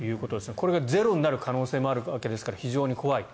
これがゼロになる可能性もあるわけですから非常に怖い。